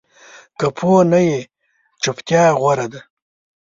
که پوه نه یې، چُپتیا غوره ده